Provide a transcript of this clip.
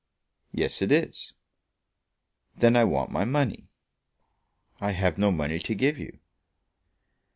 "Yes, it is." "Then I want my money." "I have no money to give you."